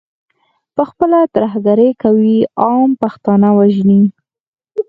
پخپله ترهګري کوي، عام پښتانه وژني.